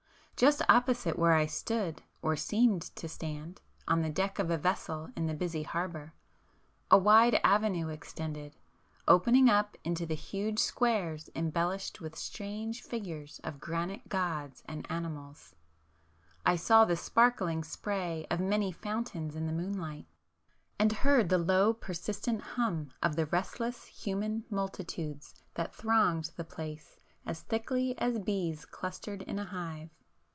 Just opposite where I stood or seemed to stand, on the deck of a vessel in the busy harbour, a wide avenue extended, opening up into huge squares embellished with strange figures of granite gods and animals,—I saw the sparkling spray of many fountains in the moonlight, and heard the low persistent hum of the restless human multitudes that thronged the place as thickly as bees clustered in a hive.